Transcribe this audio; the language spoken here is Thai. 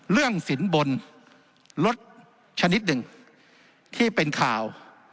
สินบนลดชนิดหนึ่งที่เป็นข่าว